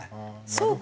そうか！